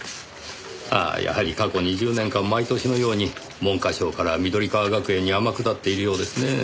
ああやはり過去２０年間毎年のように文科省から緑川学園に天下っているようですねぇ。